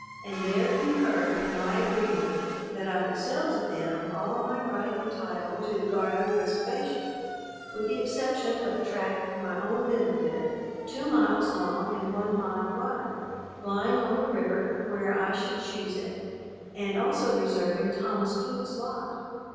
and there concur in my agreement, that I would sell to them all my right and title to the Gardow reservation, with the exception of a tract for my own benefit, two miles long, and one mile wide, lying on the river where I should choose it; and also reserving Thomas Clute's lot.